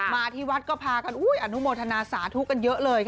มาที่วัดก็พากันอนุโมทนาสาธุกันเยอะเลยค่ะ